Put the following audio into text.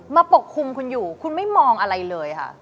ปกคลุมคุณอยู่คุณไม่มองอะไรเลยค่ะ